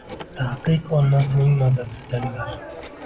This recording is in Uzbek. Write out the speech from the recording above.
Taqiq olmasining mazasi zanglar